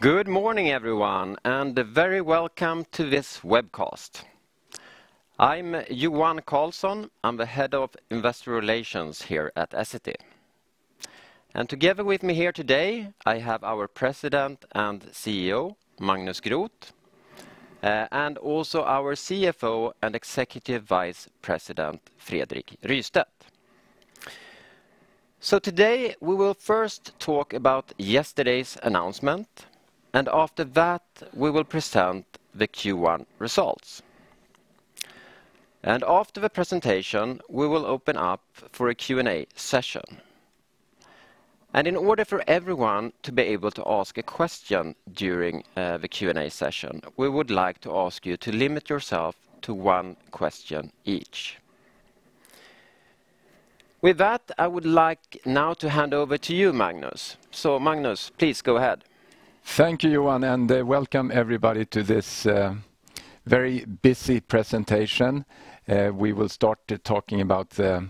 Good morning, everyone, and a very welcome to this webcast. I'm Johan Karlsson. I'm the head of investor relations here at Essity. Together with me here today, I have our President and CEO, Magnus Groth, and also our CFO and Executive Vice President, Fredrik Rystedt. Today, we will first talk about yesterday's announcement, and after that, we will present the Q1 results. After the presentation, we will open up for a Q&A session. In order for everyone to be able to ask a question during the Q&A session, we would like to ask you to limit yourself to one question each. With that, I would like now to hand over to you, Magnus. Magnus, please go ahead. Thank you, Johan. Welcome everybody to this very busy presentation. We will start talking about the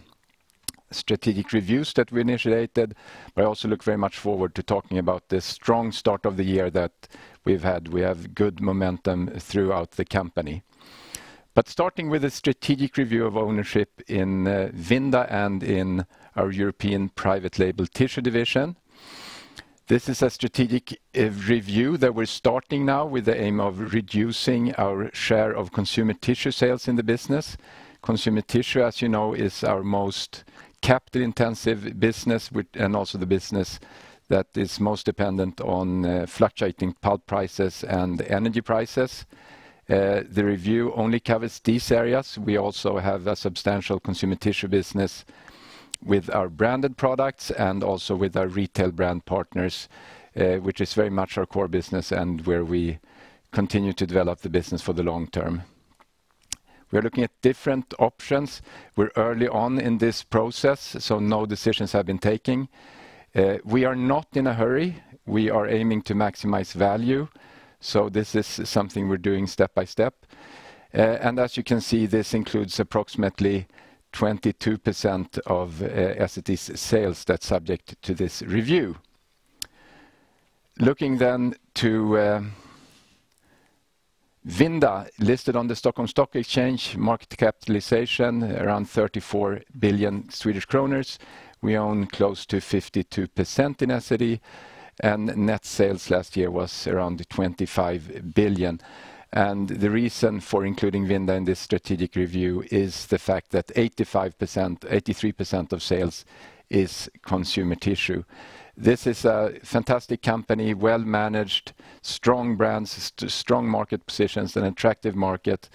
strategic reviews that we initiated. I also look very much forward to talking about the strong start of the year that we've had. We have good momentum throughout the company. Starting with a strategic review of ownership in Vinda and in our European private label tissue division, this is a strategic review that we're starting now with the aim of reducing our share of consumer tissue sales in the business. Consumer tissue, as you know, is our most capital-intensive business and also the business that is most dependent on fluctuating pulp prices and energy prices. The review only covers these areas. We also have a substantial consumer tissue business with our branded products and also with our retail brand partners, which is very much our core business and where we continue to develop the business for the long term. We're looking at different options. We're early on in this process, so no decisions have been taken. We are not in a hurry. We are aiming to maximize value, so this is something we're doing step by step. As you can see, this includes approximately 22% of Essity's sales that's subject to this review. Looking to Vinda listed on the Stockholm Stock Exchange, market capitalization around 34 billion Swedish kronor. We own close to 52% in Essity. Net sales last year was around 25 billion. The reason for including Vinda in this strategic review is the fact that 83% of sales is consumer tissue. This is a fantastic company, well managed, strong brands, strong market positions, an attractive market.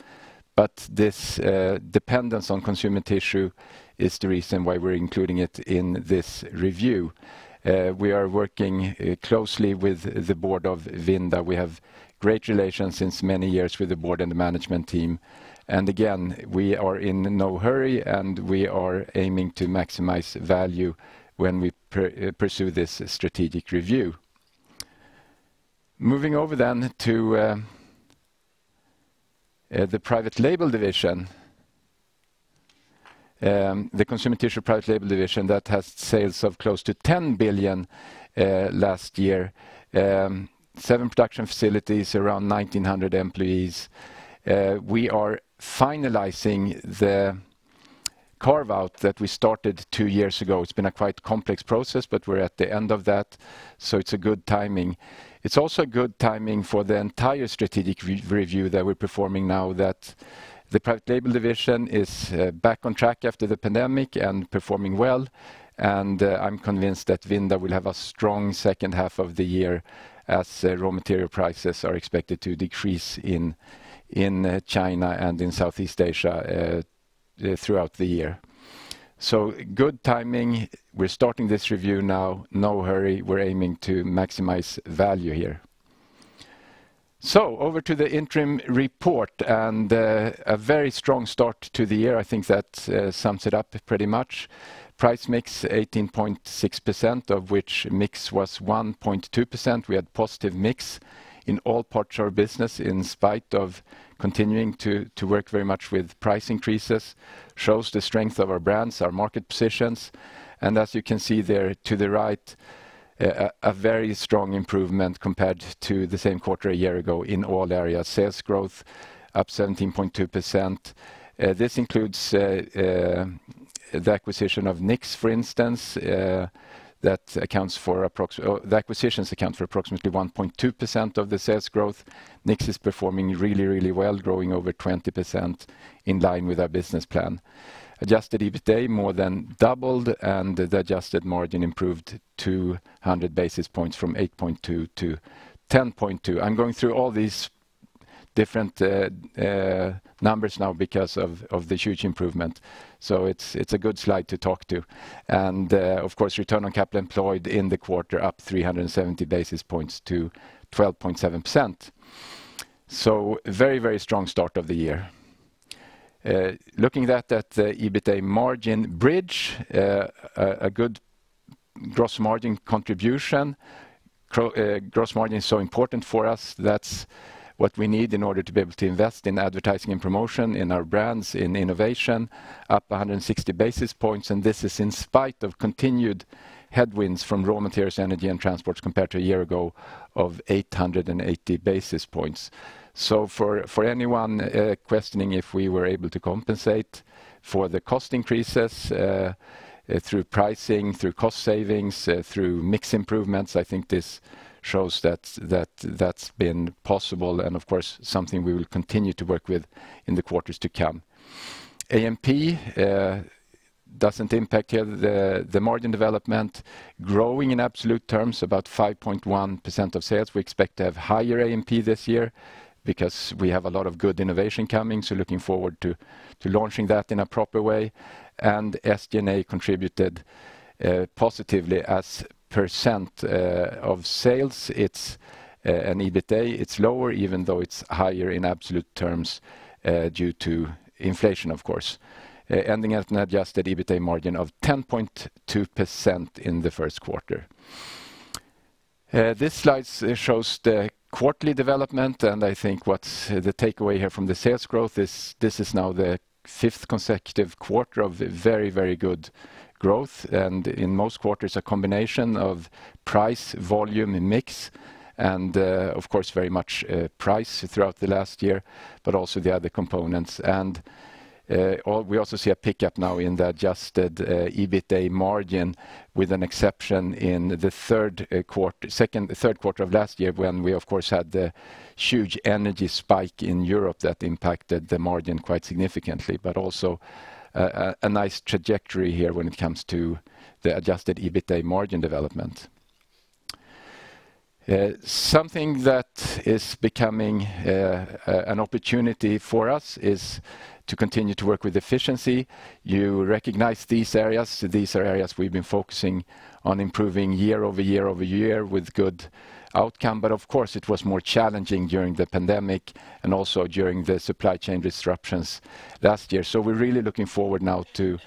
This dependence on consumer tissue is the reason why we're including it in this review. We are working closely with the board of Vinda. We have great relations since many years with the board and the management team. Again, we are in no hurry, and we are aiming to maximize value when we pursue this strategic review. Moving over to the private label division, the consumer tissue private label division that has sales of close to 10 billion last year, seven production facilities, around 1,900 employees. We are finalizing the carve-out that we started two years ago. It's been a quite complex process, but we're at the end of that, so it's a good timing. It's also a good timing for the entire strategic re-review that we're performing now that the private label division is back on track after the pandemic and performing well. I'm convinced that Vinda will have a strong second half of the year as raw material prices are expected to decrease in China and in Southeast Asia throughout the year. Good timing. We're starting this review now. No hurry. We're aiming to maximize value here. Over to the interim report and a very strong start to the year. I think that sums it up pretty much. Price mix, 18.6%, of which mix was 1.2%. We had positive mix in all parts of our business in spite of continuing to work very much with price increases, shows the strength of our brands, our market positions. As you can see there to the right, a very strong improvement compared to the same quarter a year ago in all areas. Sales growth up 17.2%. This includes the acquisition of Knix, for instance, that accounts for approximately 1.2% of the sales growth. Knix is performing really well, growing over 20% in line with our business plan. Adjusted EBITA more than doubled, and the adjusted margin improved 200 basis points from 8.2 to 10.2. I'm going through all these different numbers now because of the huge improvement, so it's a good slide to talk to. Of course, return on capital employed in the quarter up 370 basis points to 12.7%. Very, very strong start of the year. Looking at that EBITDA margin bridge, a good gross margin contribution. Gross margin is so important for us. That's what we need in order to be able to invest in advertising and promotion in our brands, in innovation, up 160 basis points, and this is in spite of continued headwinds from raw materials, energy, and transports compared to a year ago of 880 basis points. For anyone questioning if we were able to compensate for the cost increases through pricing, through cost savings, through mix improvements, I think this shows that that's been possible and of course something we will continue to work with in the quarters to come. AMP doesn't impact here the margin development. Growing in absolute terms about 5.1% of sales. We expect to have higher AMP this year because we have a lot of good innovation coming, so looking forward to launching that in a proper way. SG&A contributed positively as percent of sales. It's an EBITDA. It's lower, even though it's higher in absolute terms due to inflation, of course. Ending at an Adjusted EBITDA margin of 10.2% in the first quarter. This slide shows the quarterly development, and I think what's the takeaway here from the sales growth is this is now the fifth consecutive quarter of very, very good growth. In most quarters, a combination of price, volume, and mix, and of course, very much price throughout the last year, but also the other components. We also see a pickup now in the Adjusted EBITDA margin with an exception in the third quarter of last year when we of course had the huge energy spike in Europe that impacted the margin quite significantly, but also a nice trajectory here when it comes to the Adjusted EBITDA margin development. Something that is becoming an opportunity for us is to continue to work with efficiency. You recognize these areas. These are areas we've been focusing on improving year over year over year with good outcome. Of course, it was more challenging during the pandemic and also during the supply chain disruptions last year. We're really looking forward now to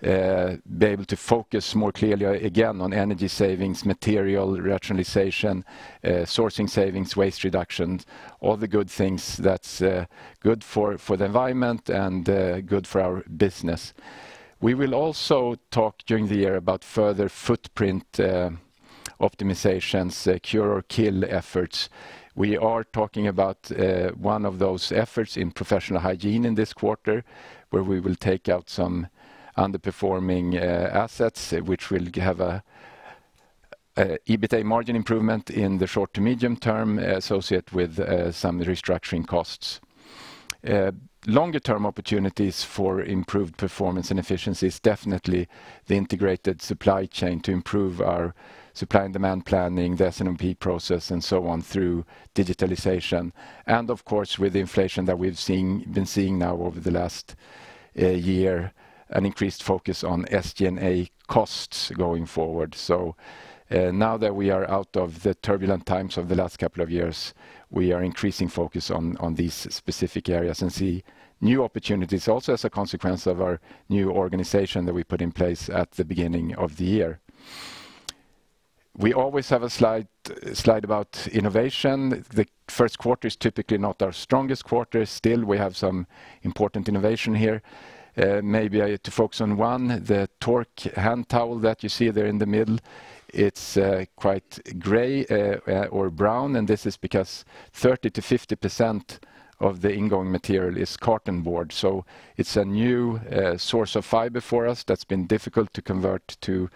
be able to focus more clearly again on energy savings, material rationalization, sourcing savings, waste reduction, all the good things that's good for the environment and good for our business. We will also talk during the year about further footprint optimizations, Cure or Kill efforts. We are talking about one of those efforts in Professional Hygiene in this quarter, where we will take out some underperforming assets which will have a EBITDA margin improvement in the short to medium term associated with some restructuring costs. Longer term opportunities for improved performance and efficiency is definitely the integrated supply chain to improve our supply and demand planning, the S&OP process, and so on through digitalization. Of course, with the inflation that we've been seeing now over the last year, an increased focus on SG&A costs going forward. Now that we are out of the turbulent times of the last couple of years, we are increasing focus on these specific areas and see new opportunities also as a consequence of our new organization that we put in place at the beginning of the year. We always have a slide about innovation. The first quarter is typically not our strongest quarter. Still, we have some important innovation here. Maybe I to focus on one, the Tork hand towel that you see there in the middle. It's quite gray or brown, and this is because 30-50% of the ingoing material is carton board. It's a new source of fiber for us that's been difficult to convert to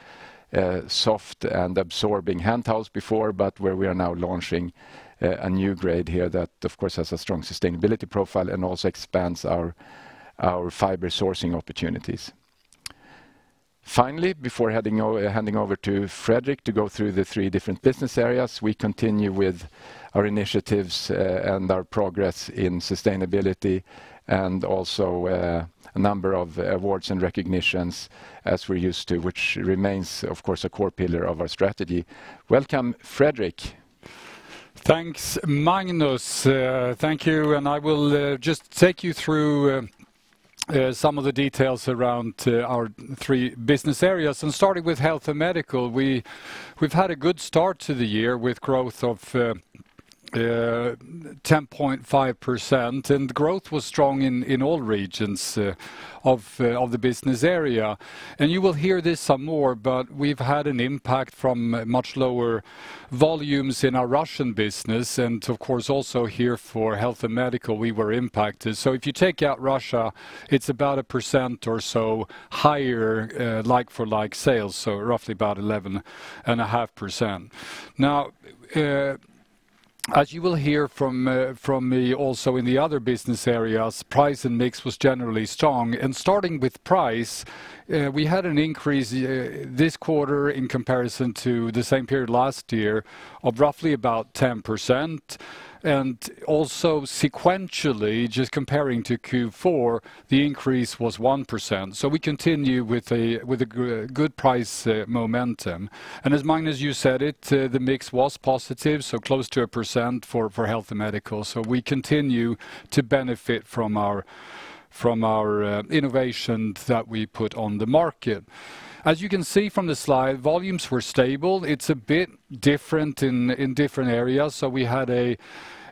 soft and absorbing hand towels before, but where we are now launching a new grade here that of course has a strong sustainability profile and also expands our fiber sourcing opportunities. Finally, before handing over to Fredrik to go through the three different business areas, we continue with our initiatives and our progress in sustainability and also a number of awards and recognitions as we're used to, which remains of course, a core pillar of our strategy. Welcome, Fredrik. Thanks, Magnus. Thank you, and I will just take you through some of the details around our three business areas. Starting with Health & Medical, we've had a good start to the year with growth of 10.5%, and growth was strong in all regions of the business area. You will hear this some more, but we've had an impact from much lower volumes in our Russian business, and of course, also here for Health & Medical, we were impacted. If you take out Russia, it's about 1% or so higher, like-for-like sales, so roughly about 11.5%. As you will hear from me also in the other business areas, price and mix was generally strong. Starting with price, we had an increase this quarter in comparison to the same period last year of roughly about 10%. Also sequentially, just comparing to Q4, the increase was 1%. We continue with a good price momentum. As Magnus, you said it, the mix was positive, so close to 1% for Health and Medical. We continue to benefit from our innovation that we put on the market. As you can see from the slide, volumes were stable. It's a bit different in different areas. We had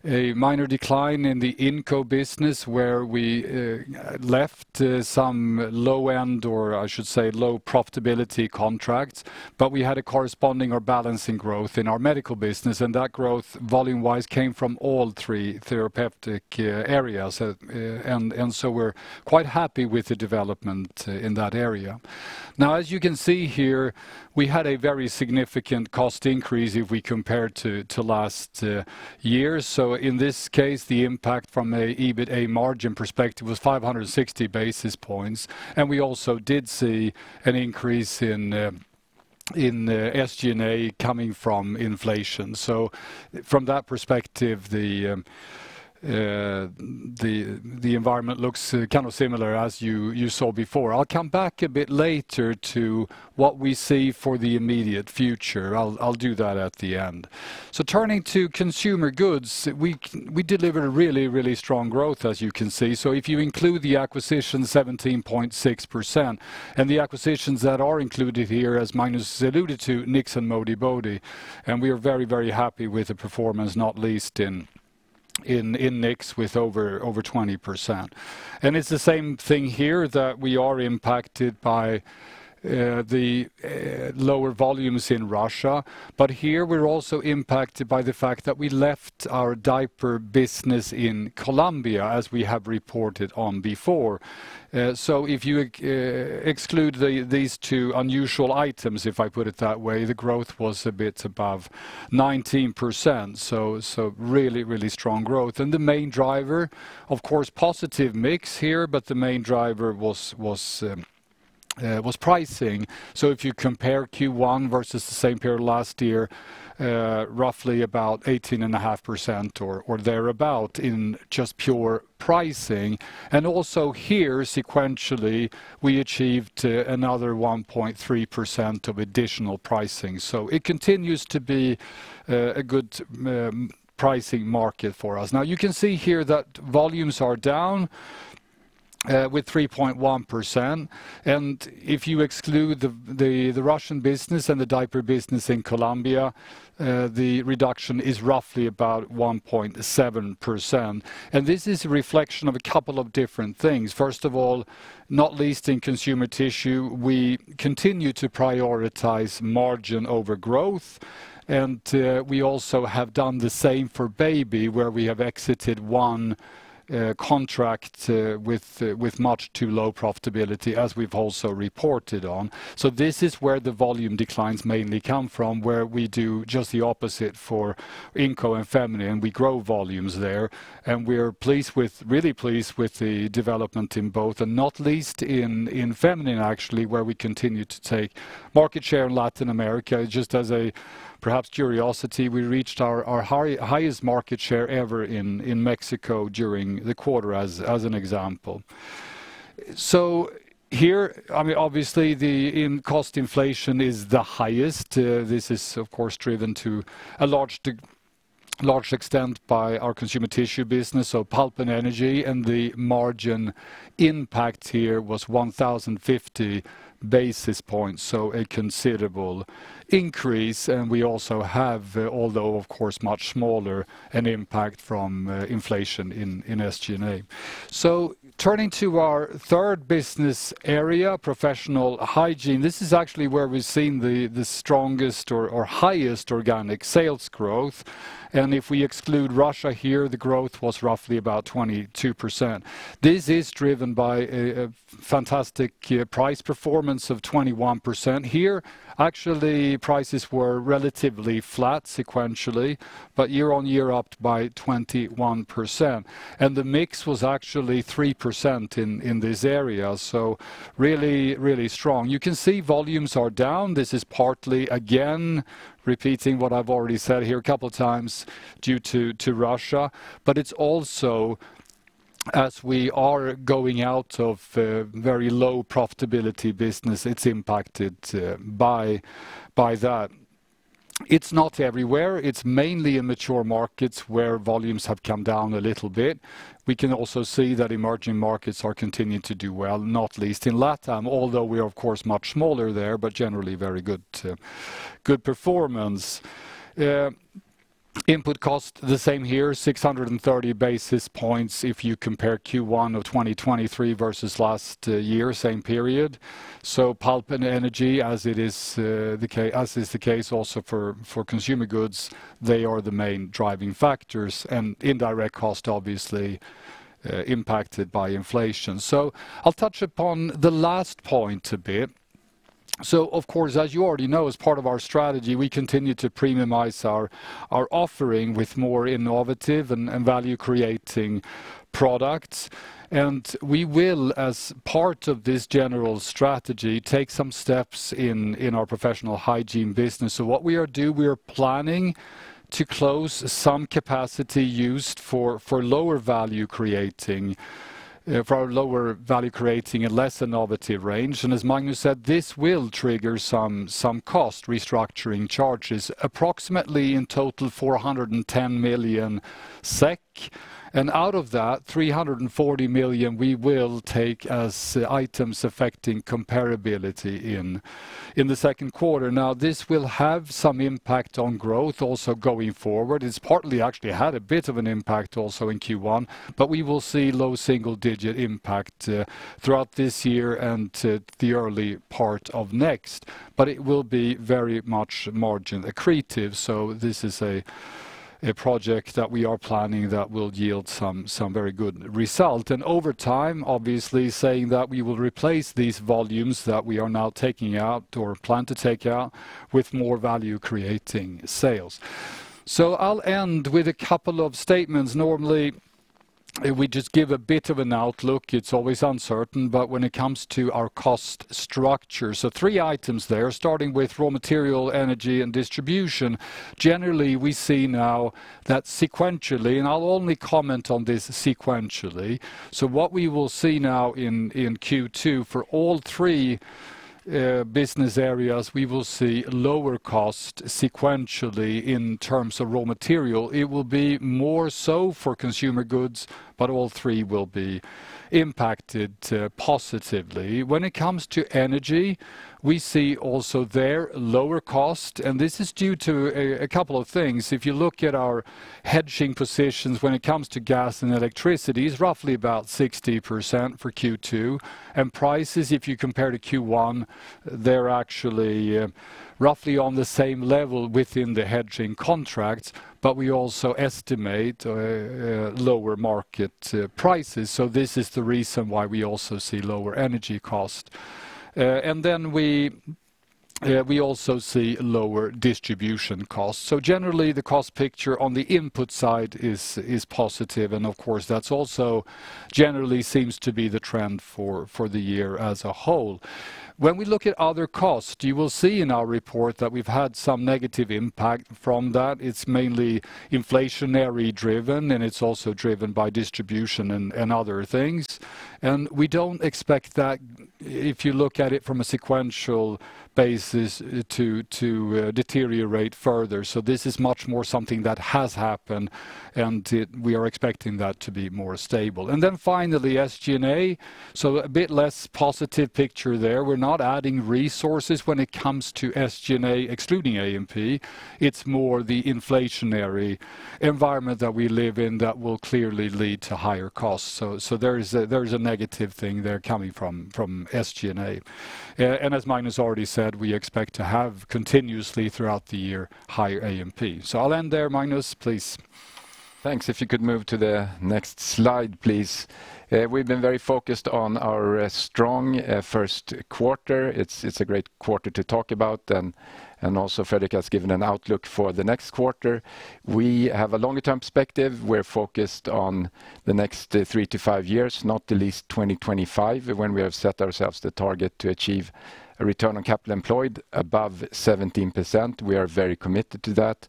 a minor decline in the Inco business where we left some low end, or I should say low profitability contracts. We had a corresponding or balancing growth in our medical business, and that growth volume-wise came from all three therapeutic areas. We're quite happy with the development in that area. Now as you can see here, we had a very significant cost increase if we compare to last year. In this case, the impact from a EBITA margin perspective was 560 basis points. We also did see an increase in SG&A coming from inflation. From that perspective, the environment looks kind of similar as you saw before. I'll come back a bit later to what we see for the immediate future. I'll do that at the end. Turning to Consumer Goods, we delivered a really strong growth, as you can see. If you include the acquisition 17.6%, and the acquisitions that are included here, as Magnus alluded to, Knix and Modibodi. We are very, very happy with the performance, not least in Knix with over 20%. It's the same thing here that we are impacted by the lower volumes in Russia. Here, we're also impacted by the fact that we left our diaper business in Colombia, as we have reported on before. If you exclude these two unusual items, if I put it that way, the growth was a bit above 19%, really, really strong growth. The main driver, of course, positive mix here, but the main driver was pricing. If you compare Q1 versus the same period last year, roughly about 18.5% or thereabout in just pure pricing. Also here, sequentially, we achieved another 1.3% of additional pricing. It continues to be a good pricing market for us. You can see here that volumes are down with 3.1%. If you exclude the Russian business and the diaper business in Colombia, the reduction is roughly about 1.7%. This is a reflection of a couple of different things. First of all, not least in consumer tissue, we continue to prioritize margin over growth. We also have done the same for baby, where we have exited one contract with much too low profitability, as we've also reported on. This is where the volume declines mainly come from, where we do just the opposite for Inco and Femine, and we grow volumes there. We're really pleased with the development in both, and not least in Femine, actually, where we continue to take market share in Latin America. Just as a perhaps curiosity, we reached our highest market share ever in Mexico during the quarter as an example. Here, I mean, obviously the cost inflation is the highest. This is of course driven to a large extent by our consumer tissue business, so pulp and energy, and the margin impact here was 1,050 basis points, so a considerable increase. We also have, although of course much smaller, an impact from inflation in SG&A. Turning to our third business area, Professional Hygiene, this is actually where we're seeing the strongest or highest organic sales growth. If we exclude Russia here, the growth was roughly about 22%. This is driven by a fantastic price performance of 21%. Here, actually prices were relatively flat sequentially, but year-on-year up by 21%. The mix was actually 3% in this area, so really, really strong. You can see volumes are down. This is partly, again, repeating what I've already said here a couple times, due to Russia, but it's also as we are going out of very low profitability business, it's impacted by that. It's not everywhere. It's mainly in mature markets where volumes have come down a little bit. We can also see that emerging markets are continuing to do well, not least in LatAm, although we are of course much smaller there, but generally very good performance. Input cost, the same here, 630 basis points if you compare Q1 of 2023 versus last year, same period. Pulp and energy, as it is, as is the case also for Consumer Goods, they are the main driving factors, and indirect cost obviously impacted by inflation. I'll touch upon the last point a bit. Of course, as you already know, as part of our strategy, we continue to premiumize our offering with more innovative and value-creating products. We will, as part of this general strategy, take some steps in our Professional Hygiene business. What we are planning to close some capacity used for lower value creating, for our lower value creating and less innovative range. As Magnus said, this will trigger some cost restructuring charges, approximately in total 410 million SEK. Out of that 340 million we will take as items affecting comparability in the second quarter. This will have some impact on growth also going forward. It's partly actually had a bit of an impact also in Q1, but we will see low single digit impact throughout this year and to the early part of next. It will be very much margin accretive. This is a project that we are planning that will yield some very good result. Over time, obviously saying that we will replace these volumes that we are now taking out or plan to take out with more value-creating sales. I'll end with a couple of statements. Normally, we just give a bit of an outlook. It's always uncertain, but when it comes to our cost structure. Three items there, starting with raw material, energy, and distribution. Generally, we see now that sequentially, and I'll only comment on this sequentially. What we will see now in Q2 for all three business areas, we will see lower cost sequentially in terms of raw material. It will be more so for Consumer Goods, but all three will be impacted positively. When it comes to energy, we see also there lower cost, and this is due to a couple of things. If you look at our hedging positions when it comes to gas and electricity, it's roughly about 60% for Q2. Prices, if you compare to Q1, they're actually, roughly on the same level within the hedging contracts, but we also estimate lower market prices. This is the reason why we also see lower energy cost. Then we also see lower distribution costs. Generally, the cost picture on the input side is positive, and of course, that's also generally seems to be the trend for the year as a whole. When we look at other costs, you will see in our report that we've had some negative impact from that. It's mainly inflationary driven, and it's also driven by distribution and other things. We don't expect that if you look at it from a sequential basis to deteriorate further. This is much more something that has happened, and we are expecting that to be more stable. Then finally, SG&A. A bit less positive picture there. We're not adding resources when it comes to SG&A excluding AMP. It's more the inflationary environment that we live in that will clearly lead to higher costs. There is a negative thing there coming from SG&A. As Magnus already said, we expect to have continuously throughout the year higher AMP. I'll end there. Magnus, please. Thanks. If you could move to the next slide, please. We've been very focused on our strong first quarter. It's a great quarter to talk about and also Fredrik has given an outlook for the next quarter. We have a longer-term perspective. We're focused on the next three to five years, not the least 2025, when we have set ourselves the target to achieve a Return on Capital Employed above 17%. We are very committed to that.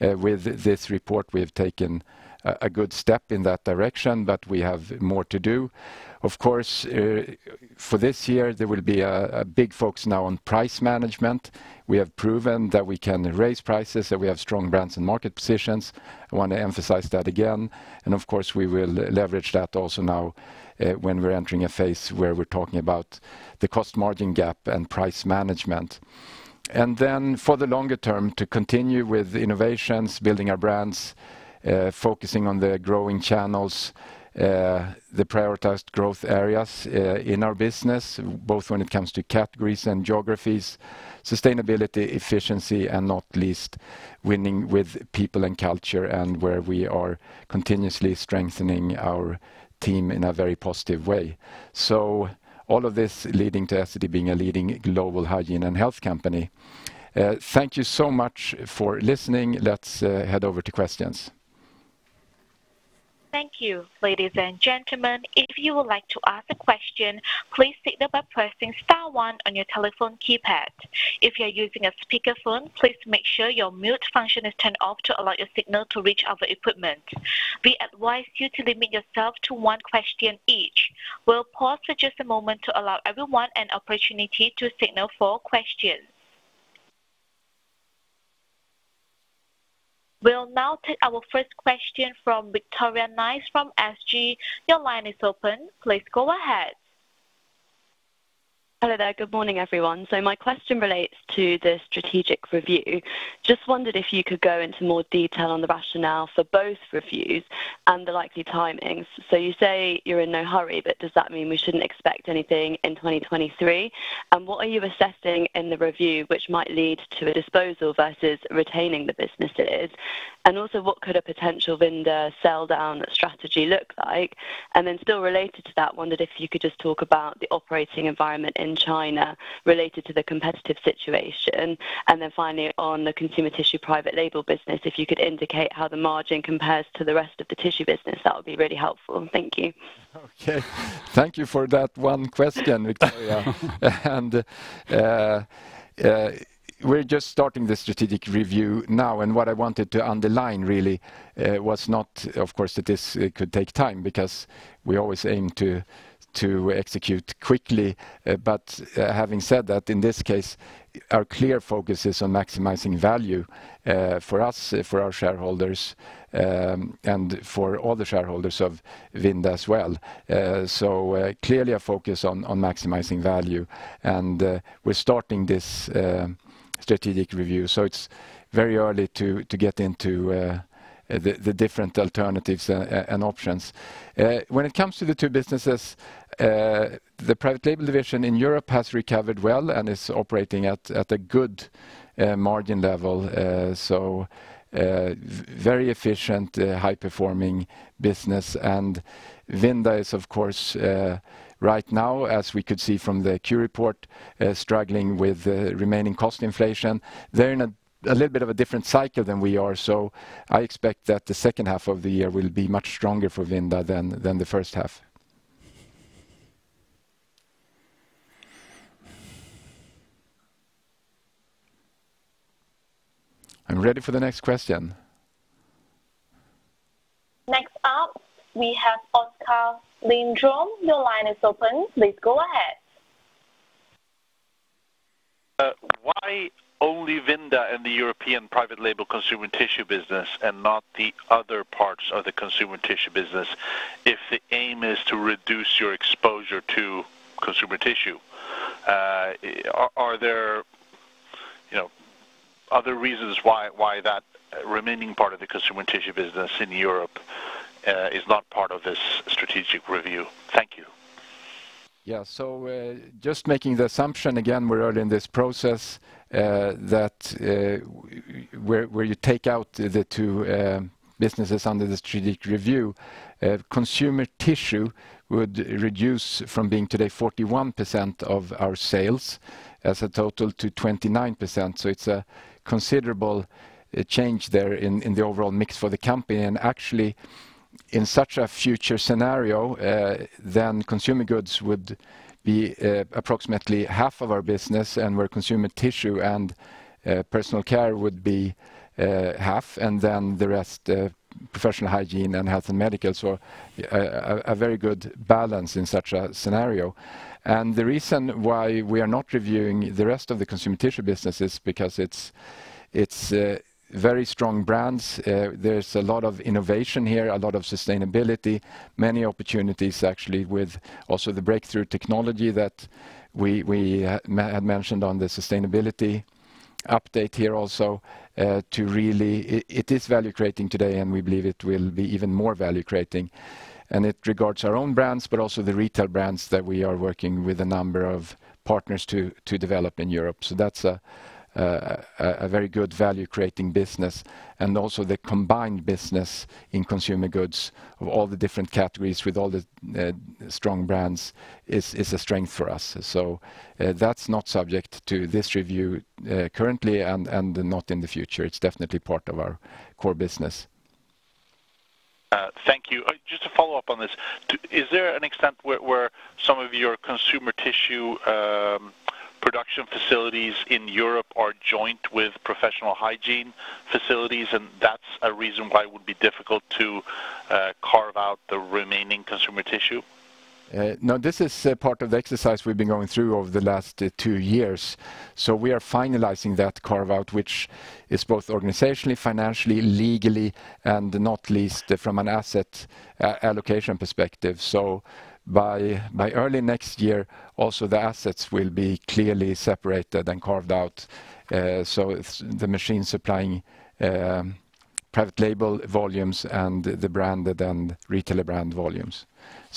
With this report, we have taken a good step in that direction, but we have more to do. Of course, for this year, there will be a big focus now on price management. We have proven that we can raise prices, that we have strong brands and market positions. I want to emphasize that again. Of course, we will leverage that also now, when we're entering a phase where we're talking about the cost margin gap and price management. Then for the longer term, to continue with innovations, building our brands, focusing on the growing channels, the prioritized growth areas, in our business, both when it comes to categories and geographies, sustainability, efficiency, and not least winning with people and culture and where we are continuously strengthening our team in a very positive way. All of this leading to Essity being a leading global hygiene and health company. Thank you so much for listening. Let's head over to questions. Thank you. Ladies and gentlemen, if you would like to ask a question, please signal by pressing star 1 on your telephone keypad. If you're using a speakerphone, please make sure your mute function is turned off to allow your signal to reach our equipment. We advise you to limit yourself to 1 question each. We'll pause for just a moment to allow everyone an opportunity to signal for questions. We'll now take our first question from Victoria Nice from SG. Your line is open. Please go ahead. Hello there. Good morning, everyone. My question relates to the strategic review. Just wondered if you could go into more detail on the rationale for both reviews and the likely timings. You say you're in no hurry, but does that mean we shouldn't expect anything in 2023? What are you assessing in the review which might lead to a disposal versus retaining the businesses? Also, what could a potential vendor sell-down strategy look like? Still related to that, wondered if you could just talk about the operating environment in China related to the competitive situation. Finally, on the consumer tissue private label business, if you could indicate how the margin compares to the rest of the tissue business, that would be really helpful. Thank you. Okay. Thank you for that one question, Victoria. We're just starting the strategic review now, and what I wanted to underline really was not, of course, that this could take time because we always aim to execute quickly. Having said that, in this case, our clear focus is on maximizing valueUh, for us, for our shareholders, and for all the shareholders of Vinda as well. Clearly a focus on maximizing value, and we're starting this strategic review, so it's very early to get into the different alternatives and options. When it comes to the two businesses, the private label division in Europe has recovered well and is operating at a good margin level. Very efficient, high-performing business. Vinda is, of course, right now, as we could see from the Q report, struggling with remaining cost inflation. They're in a little bit of a different cycle than we are. I expect that the second half of the year will be much stronger for Vinda than the first half. I'm ready for the next question. Next up, we have Oskar Lindström Your line is open. Please go ahead. Why only Vinda in the European private label consumer tissue business and not the other parts of the consumer tissue business if the aim is to reduce your exposure to consumer tissue? Are there, you know, other reasons why that remaining part of the consumer tissue business in Europe, is not part of this strategic review? Thank you. Yeah. Just making the assumption, again, we're early in this process, that, where you take out the two businesses under the strategic review. Consumer Tissue would reduce from being today 41% of our sales as a total to 29%. It's a considerable change there in the overall mix for the company. Actually, in such a future scenario, then Consumer Goods would be approximately half of our business and where Consumer Tissue and Personal Care would be half, and then the rest, Professional Hygiene and Health & Medical. A very good balance in such a scenario. The reason why we are not reviewing the rest of the Consumer Tissue business is because it's very strong brands. There's a lot of innovation here, a lot of sustainability. Many opportunities actually with also the breakthrough technology that we had mentioned on the sustainability update here also, to really. It is value-creating today, and we believe it will be even more value-creating. It regards our own brands, but also the retail brands that we are working with a number of partners to develop in Europe. That's a very good value-creating business. Also the combined business in Consumer Goods of all the different categories with all the strong brands is a strength for us. That's not subject to this review currently and not in the future. It's definitely part of our core business. Thank you. Just to follow up on this, is there an extent where some of your consumer tissue production facilities in Europe are joint with Professional Hygiene facilities, and that's a reason why it would be difficult to carve out the remaining consumer tissue? No, this is a part of the exercise we've been going through over the last 2 years. We are finalizing that carve-out, which is both organizationally, financially, legally, and not least from an asset allocation perspective. By early next year, also the assets will be clearly separated and carved out. It's the machines supplying private label volumes and the branded and retailer brand volumes.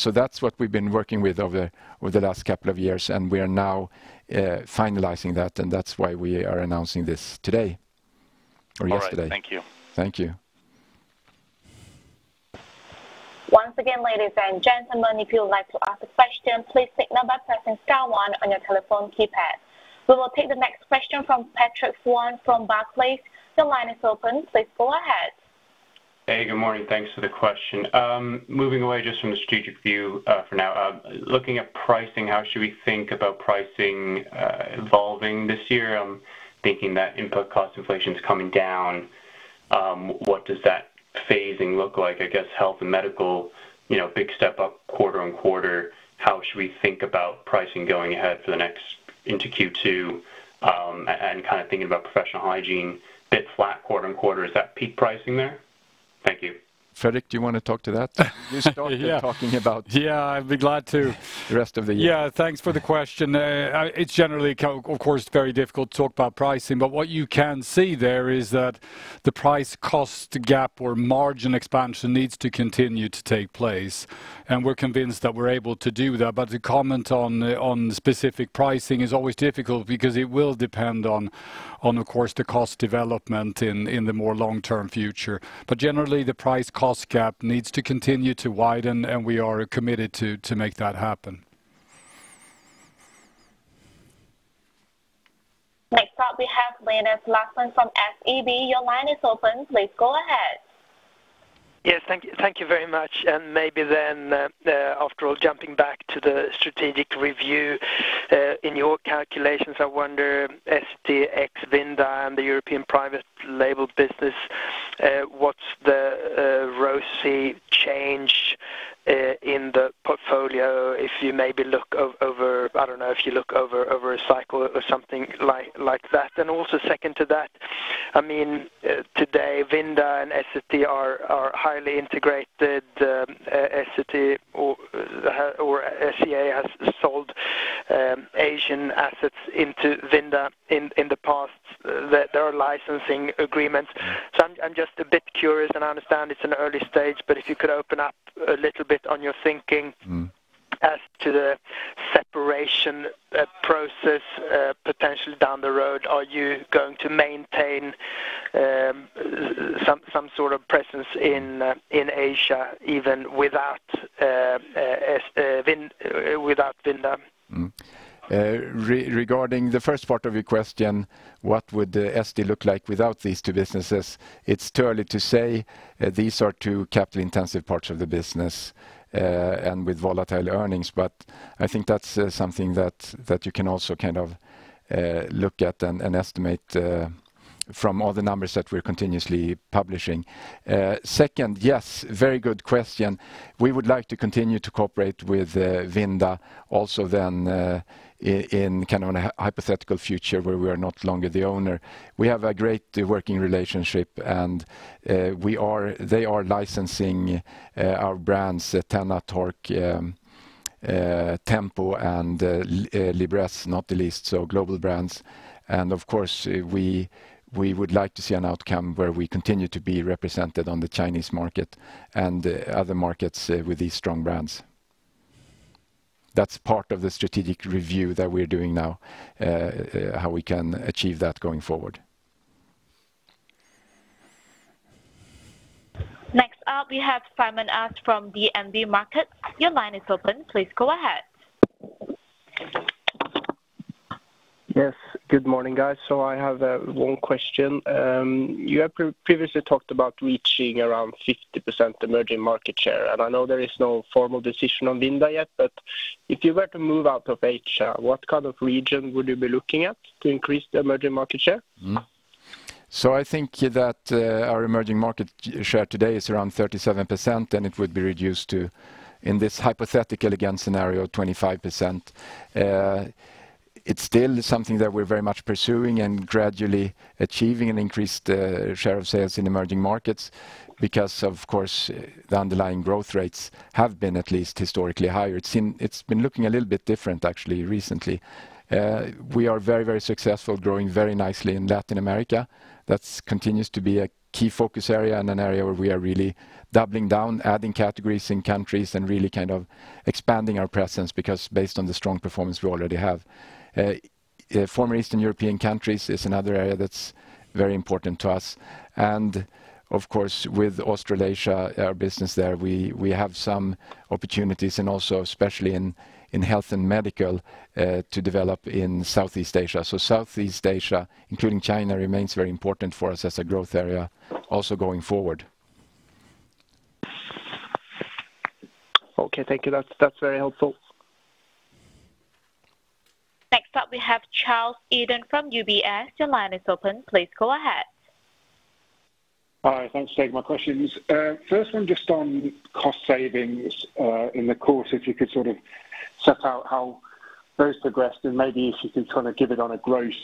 That's what we've been working with over the last couple of years, and we are now finalizing that, and that's why we are announcing this today or yesterday. All right. Thank you. Thank you. Once again, ladies and gentlemen, if you would like to ask a question, please signal by pressing star 1 on your telephone keypad. We will take the next question from Patrick Swan from Barclays. Your line is open. Please go ahead. Hey, good morning. Thanks for the question. Moving away just from the strategic view, for now, looking at pricing, how should we think about pricing evolving this year? I'm thinking that input cost inflation is coming down. What does that phasing look like? I guess Health & Medical, you know, big step up quarter-on-quarter. How should we think about pricing going ahead for the next into Q2, and kind of thinking about Professional Hygiene bit flat quarter-on-quarter. Is that peak pricing there? Thank you. Fredrik, do you wanna talk to that? Yeah. You started talking about. Yeah, I'd be glad to. the rest of the year. Yeah. Thanks for the question. It's generally of course, very difficult to talk about pricing, but what you can see there is that the price cost gap or margin expansion needs to continue to take place, and we're convinced that we're able to do that. To comment on specific pricing is always difficult because it will depend on, of course, the cost development in the more long-term future. Generally, the price cost gap needs to continue to widen, and we are committed to make that happen. Next up, we have Linus Larsson from SEB. Your line is open. Please go ahead. Yes. Thank you. Thank Thank you very much. Maybe then, after all, jumping back to the strategic review. In your calculations, I wonder CG Vinda and the European private label business, what's the ROCE change? In the portfolio, if you maybe look over, I don't know, if you look over a cycle or something like that. And also second to that, I mean, today Vinda and Essity are highly integrated, Essity or SCA has sold Asian assets into Vinda in the past. There are licensing agreements. So I'm just a bit curious, and I understand it's an early stage, but if you could open up a little bit on your thinking- Mm. as to the separation, process, potentially down the road. Are you going to maintain some sort of presence in Asia even without Vinda? Regarding the first part of your question, what would Essity look like without these two businesses? It's too early to say. These are two capital-intensive parts of the business and with volatile earnings. I think that's something that you can also kind of look at and estimate from all the numbers that we're continuously publishing. Second, yes, very good question. We would like to continue to cooperate with Vinda also then in kind of a hypothetical future where we are not longer the owner. We have a great working relationship and they are licensing our brands, TENA, Tork, Tempo, and Libresse, not the least, so global brands. Of course, we would like to see an outcome where we continue to be represented on the Chinese market and other markets with these strong brands. That's part of the strategic review that we're doing now, how we can achieve that going forward. Next up we have Simon Öst from DNB Markets. Your line is open. Please go ahead. Yes, good morning, guys. I have one question. You have previously talked about reaching around 50% emerging market share, I know there is no formal decision on Vinda yet. If you were to move out of Asia, what kind of region would you be looking at to increase the emerging market share? I think that our emerging market share today is around 37%, and it would be reduced to, in this hypothetical, again, scenario, 25%. It's still something that we're very much pursuing and gradually achieving an increased share of sales in emerging markets because of course the underlying growth rates have been at least historically higher. It's been looking a little bit different actually recently. We are very, very successful growing very nicely in Latin America. That continues to be a key focus area and an area where we are really doubling down, adding categories in countries and really kind of expanding our presence because based on the strong performance we already have. Former Eastern European countries is another area that's very important to us. Of course, with Australasia, our business there, we have some opportunities and also especially in Health & Medical, to develop in Southeast Asia. Southeast Asia, including China, remains very important for us as a growth area also going forward. Okay, thank you. That's very helpful. Next up we have Charles Eden from UBS. Your line is open. Please go ahead. Hi. Thanks for taking my questions. First one just on cost savings in the course, if you could sort of set out how those progressed and maybe if you could kind of give it on a gross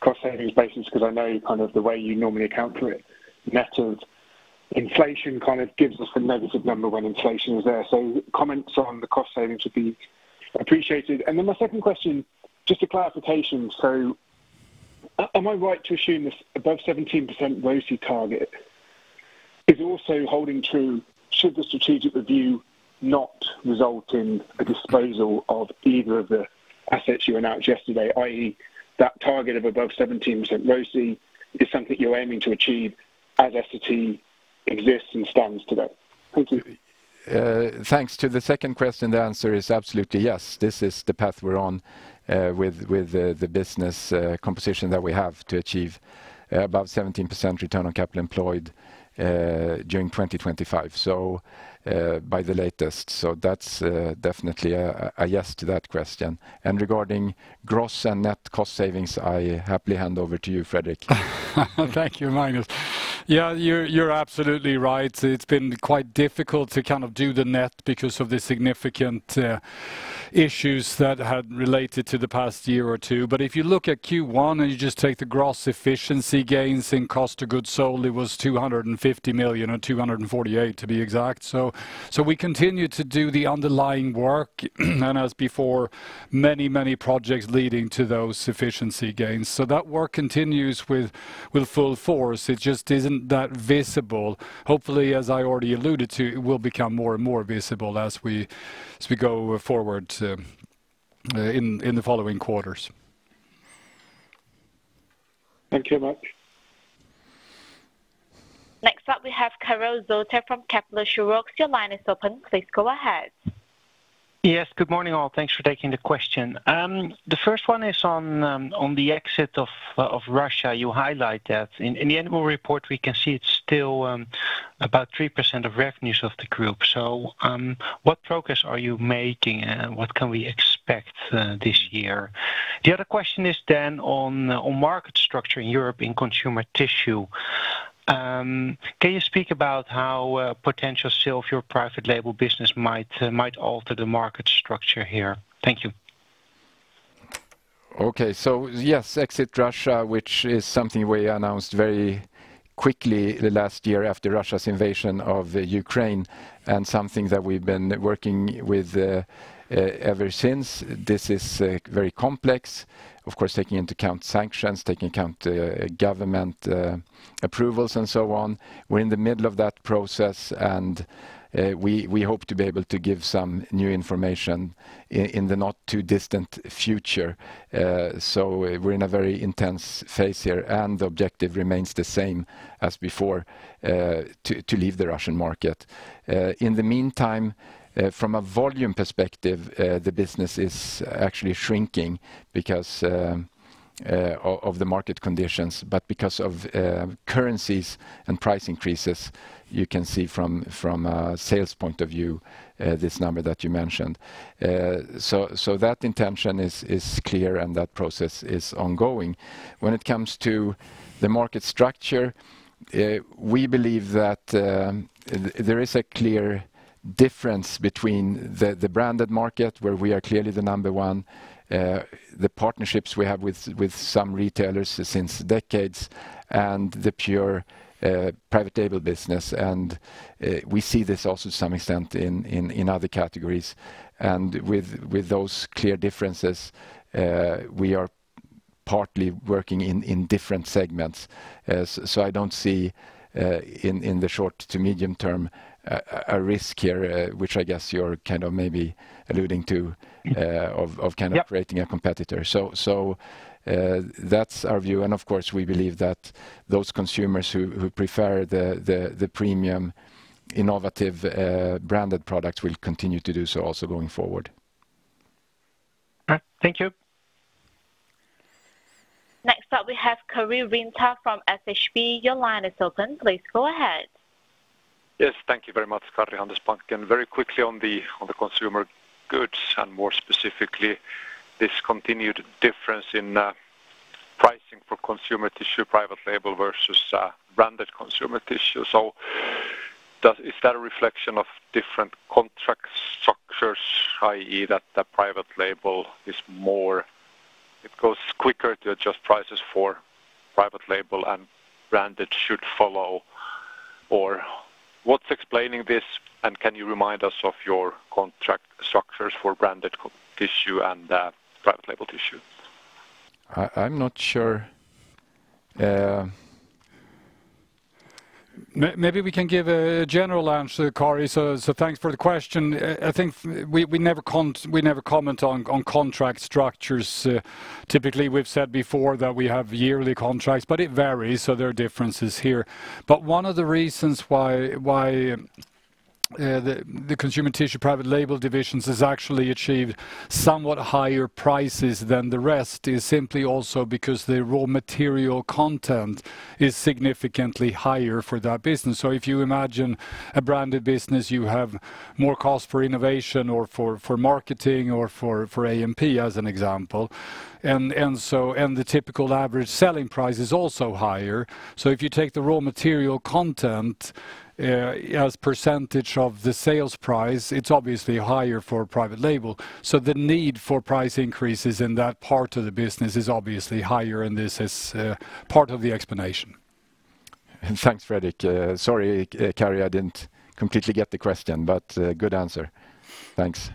cost savings basis, 'cause I know kind of the way you normally account for it, net of inflation kind of gives us a negative number when inflation is there. Comments on the cost savings would be appreciated. My second question, just a clarification. Am I right to assume this above 17% ROCE target is also holding true should the strategic review not result in a disposal of either of the assets you announced yesterday, i.e. that target of above 17% ROCE is something you're aiming to achieve as Essity exists and stands today? Thank you. Thanks. To the second question, the answer is absolutely yes. This is the path we're on, with the business composition that we have to achieve about 17% return on capital employed during 2025. By the latest. That's definitely a yes to that question. Regarding gross and net cost savings, I happily hand over to you, Fredrik. Thank you, Magnus. Yeah, you're absolutely right. It's been quite difficult to kind of do the net because of the significant issues that had related to the past year or two. If you look at Q1, and you just take the gross efficiency gains and cost to goods sold, it was 250 million or 248 to be exact. We continue to do the underlying work, and as before, many, many projects leading to those efficiency gains. That work continues with full force. It just isn't that visible. Hopefully, as I already alluded to, it will become more and more visible as we go forward in the following quarters. Thank you very much. Next up we have Karel Zoete from Kepler Cheuvreux. Your line is open. Please go ahead. Yes. Good morning, all. Thanks for taking the question. The first one is on the exit of Russia. You highlight that. In, in the annual report, we can see it's still, about 3% of revenues of the group. What progress are you making, and what can we expect, this year? The other question is on market structure in Europe in consumer tissue. Can you speak about how potential sale of your private label business might alter the market structure here? Thank you. Okay. Yes, exit Russia, which is something we announced very quickly the last year after Russia's invasion of Ukraine and something that we've been working with ever since. This is very complex, of course, taking into account sanctions, taking account government approvals and so on. We're in the middle of that process. We hope to be able to give some new information in the not too distant future. We're in a very intense phase here. The objective remains the same as before, to leave the Russian market. In the meantime, from a volume perspective, the business is actually shrinking because of the market conditions, because of currencies and price increases, you can see from a sales point of view this number that you mentioned. Uh, so, so that intention is, is clear, and that process is ongoing. When it comes to the market structure, eh, we believe that, um, th-there is a clear difference between the, the branded market, where we are clearly the number one, uh, the partnerships we have with, with some retailers since decades and the pure, uh, private label business. And, uh, we see this also to some extent in, in, in other categories. And with, with those clear differences, uh, we are partly working in, in different segments. Uh, s-so I don't see, uh, in, in the short to medium term a, a, risk here, uh, which I guess you're kind of maybe alluding to, uh, of, of kind of- Yeah... creating a competitor. That's our view. Of course, we believe that those consumers who prefer the premium, innovative, branded products will continue to do so also going forward. All right. Thank you. Next up, we have Karin Wånta from Handelsbanken. Your line is open. Please go ahead. Yes, thank you very much, Karin Wånta. Very quickly on the Consumer Goods and more specifically this continued difference in pricing for consumer tissue private label versus branded consumer tissue. Is that a reflection of different contract structures, i.e., that the private label is more... It goes quicker to adjust prices for private label and branded should follow? Or what's explaining this? Can you remind us of your contract structures for branded tissue and private label tissue? I'm not sure. Maybe we can give a general answer, Kari. Thanks for the question. I think we never comment on contract structures. Typically, we've said before that we have yearly contracts, but it varies, so there are differences here. One of the reasons why the consumer tissue private label divisions has actually achieved somewhat higher prices than the rest is simply also because the raw material content is significantly higher for that business. If you imagine a branded business, you have more cost for innovation or for marketing or for AMP, as an example. The typical average selling price is also higher. If you take the raw material content as % of the sales price, it's obviously higher for private label. The need for price increases in that part of the business is obviously higher, and this is, part of the explanation. Thanks, Fredrik. Sorry, Kari, I didn't completely get the question, but good answer. Thanks.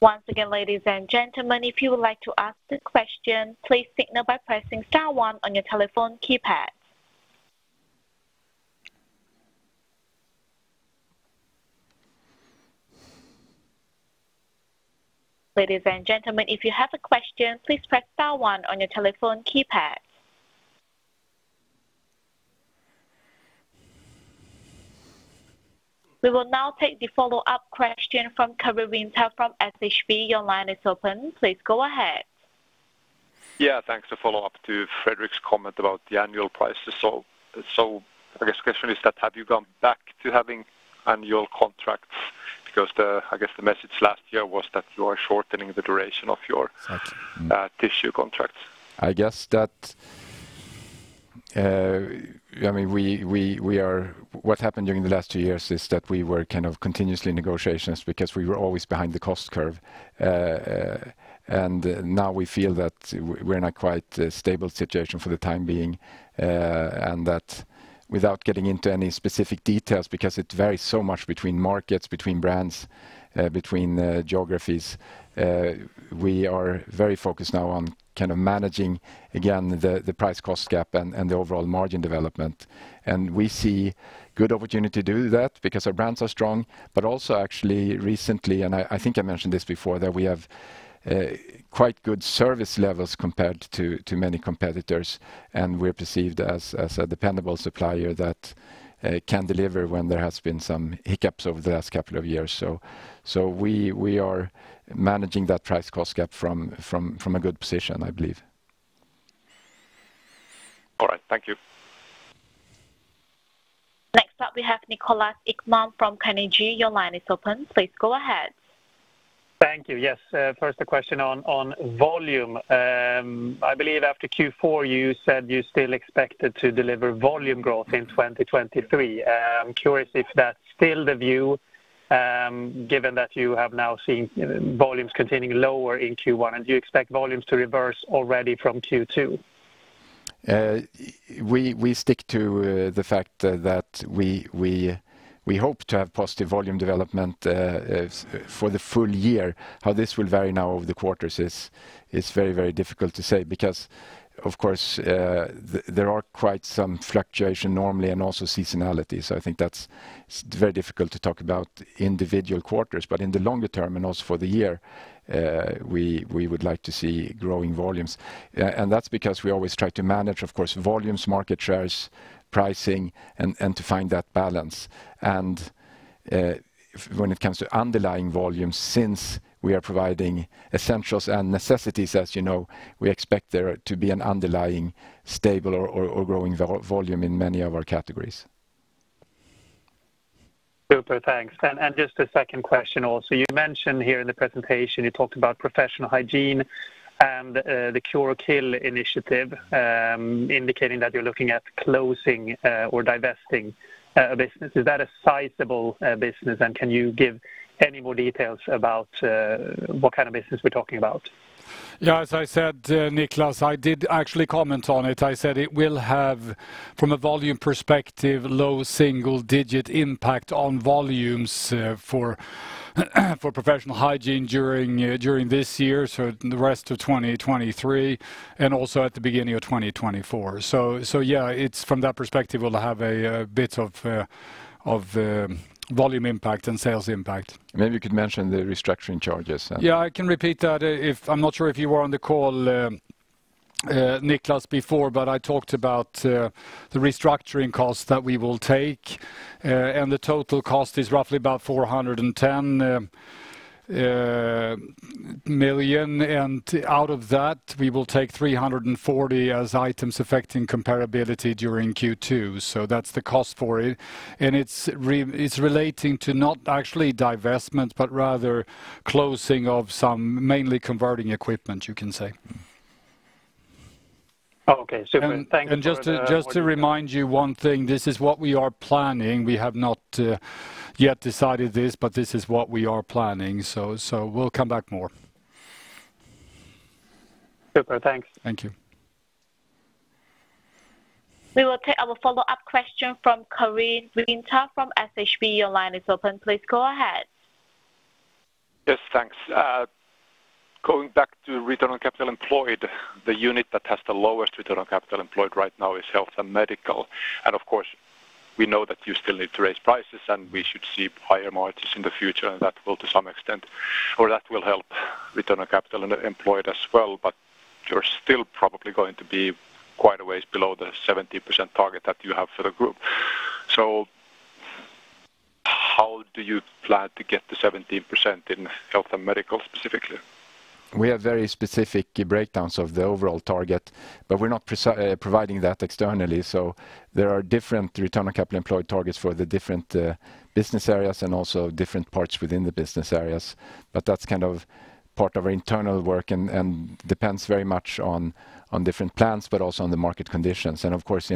Once again, ladies and gentlemen, if you would like to ask a question, please signal by pressing star one on your telephone keypad. Ladies and gentlemen, if you have a question, please press star one on your telephone keypad. We will now take the follow-up question from Karin Wånta from Handelsbanken from Handelsbanken. Your line is open. Please go ahead. Yeah, thanks. To follow up to Fredrik's comment about the annual prices. I guess question is that have you gone back to having annual contracts? I guess the message last year was that you are shortening the duration of your- Absolutely... tissue contracts. I guess that, I mean, what happened during the last two years is that we were kind of continuously in negotiations because we were always behind the cost curve. Now we feel that we're in a quite stable situation for the time being, and that without getting into any specific details, because it varies so much between markets, between brands, between geographies, we are very focused now on kind of managing again the price cost gap and the overall margin development. We see good opportunity to do that because our brands are strong. Also actually recently, and I think I mentioned this before, that we have quite good service levels compared to many competitors, and we're perceived as a dependable supplier that can deliver when there has been some hiccups over the last couple of years. We are managing that price cost gap from a good position, I believe. All right. Thank you. Next up we have Niklas Ekman from Carnegie. Your line is open. Please go ahead. Thank you. Yes, first a question on volume. I believe after Q4 you said you still expected to deliver volume growth in 2023. I'm curious if that's still the view, given that you have now seen volumes continuing lower in Q1, and do you expect volumes to reverse already from Q2? We stick to the fact that we hope to have positive volume development for the full year. How this will vary now over the quarters is very difficult to say because, of course, there are quite some fluctuation normally and also seasonality. I think that's very difficult to talk about individual quarters. In the longer term, and also for the year, we would like to see growing volumes. That's because we always try to manage, of course, volumes, market shares, pricing and to find that balance. When it comes to underlying volumes, since we are providing essentials and necessities, as you know, we expect there to be an underlying stable or growing volume in many of our categories. Super, thanks. Just a second question also. You mentioned here in the presentation, you talked about Professional Hygiene and the Cure Kill initiative, indicating that you're looking at closing or divesting business. Is that a sizable business, and can you give any more details about what kind of business we're talking about? As I said, Nicolas, I did actually comment on it. I said it will have, from a volume perspective, low single-digit impact on volumes for Professional Hygiene during this year, so the rest of 2023, and also at the beginning of 2024. Yeah, it's from that perspective it'll have a bit of volume impact and sales impact. Maybe you could mention the restructuring charges then. Yeah, I can repeat that if... I'm not sure if you were on the call, Nicolas, before, but I talked about the restructuring costs that we will take. The total cost is roughly about 410 million. Out of that, we will take 340 as items affecting comparability during Q2. That's the cost for it. It's relating to not actually divestment, but rather closing of some mainly converting equipment, you can say. Okay. Super. Thank you for the-. Just to remind you one thing, this is what we are planning. We have not yet decided this, but this is what we are planning. We'll come back more. Super. Thanks. Thank you. We will take our follow-up question from Karin Wånta from SEB Your line is open. Please go ahead. Yes. Thanks. Going back to return on capital employed, the unit that has the lowest return on capital employed right now is Health & Medical. Of course, we know that you still need to raise prices, and we should see higher margins in the future, and that will to some extent, or that will help return on capital employed as well. You're still probably going to be quite a ways below the 70% target that you have for the group. How do you plan to get to 17% in Health & Medical specifically? We have very specific breakdowns of the overall target, but we're not providing that externally. There are different return on capital employed targets for the different business areas and also different parts within the business areas. That's kind of part of our internal work and depends very much on different plans, but also on the market conditions. Of course,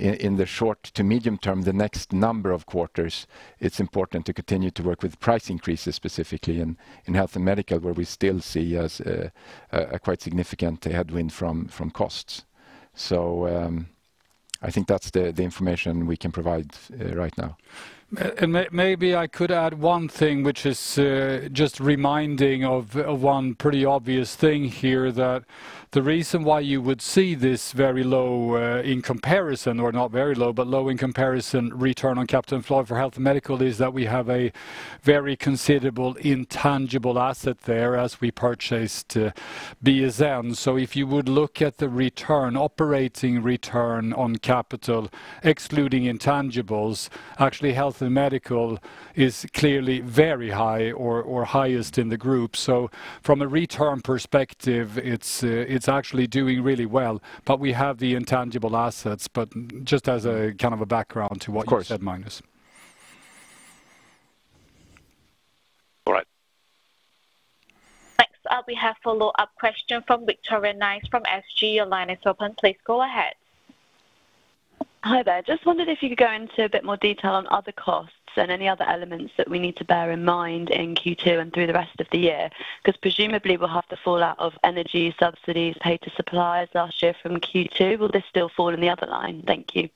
in the short to medium term, the next number of quarters, it's important to continue to work with price increases specifically in Health & Medical, where we still see as a quite significant headwind from costs. I think that's the information we can provide right now. Maybe I could add one thing, which is just reminding of one pretty obvious thing here that the reason why you would see this very low in comparison, or not very low, but low in comparison, return on capital employed for Health & Medical is that we have a very considerable intangible asset there as we purchased BSN medical. If you would look at the return, operating return on capital, excluding intangibles, actually Health & Medical is clearly very high or highest in the group. From a return perspective, it's actually doing really well, but we have the intangible assets. Just as a kind of a background to what you said, Magnus. Of course. All right. Next up, we have a follow-up question fromVictoria Nice from SG. Your line is open. Please go ahead. Hi there. Just wondered if you could go into a bit more detail on other costs and any other elements that we need to bear in mind in Q2 and through the rest of the year, 'cause presumably we'll have the fallout of energy subsidies paid to suppliers last year from Q2. Will this still fall in the other line? Thank you.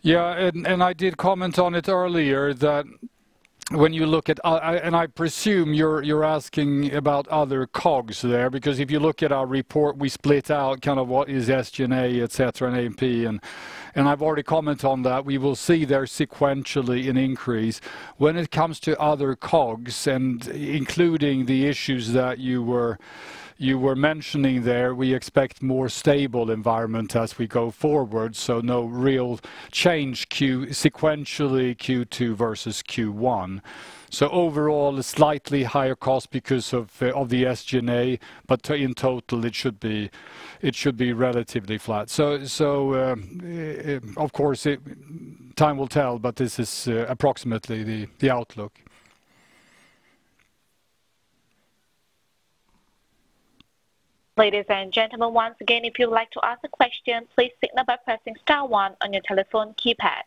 Yeah. I did comment on it earlier that when you look at... and I presume you're asking about other COGS there, because if you look at our report, we split out kind of what is SG&A, et cetera, and AP. I've already commented on that. We will see there sequentially an increase. When it comes to other COGS and including the issues that you were mentioning there, we expect more stable environment as we go forward. No real change sequentially Q2 versus Q1. Overall, a slightly higher cost because of the SG&A, but in total it should be relatively flat. Of course, it, time will tell, but this is approximately the outlook. Ladies and gentlemen, once again, if you'd like to ask a question, please signal by pressing star 1 on your telephone keypad.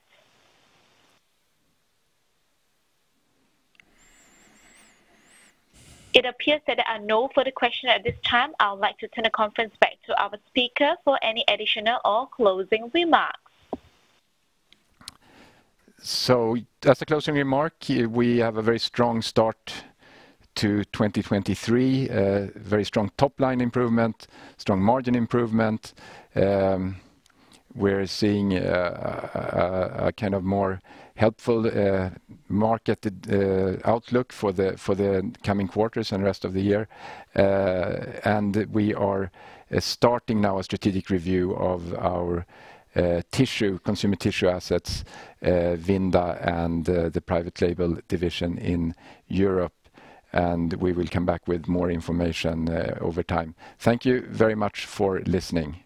It appears that there are no further question at this time. I would like to turn the conference back to our speaker for any additional or closing remarks. As a closing remark, we have a very strong start to 2023. Very strong top line improvement, strong margin improvement. We're seeing a kind of more helpful market outlook for the coming quarters and rest of the year. We are starting now a strategic review of our tissue, consumer tissue assets, Vinda and the private label division in Europe, and we will come back with more information over time. Thank you very much for listening.